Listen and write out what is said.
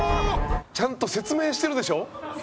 ちゃんと説明してるでしょ？